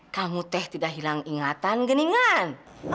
kamu teh tidak hilang ingatan giningan